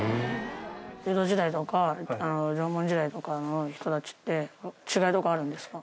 江戸時代とか縄文時代とかの人たちって違いとかあるんですか？